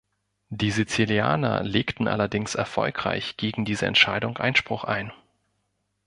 Die Sizilianer legten allerdings erfolgreich gegen diese Entscheidung Einspruch ein.